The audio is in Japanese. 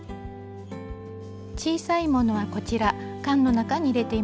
小さいものはこちら缶の中に入れていますよ。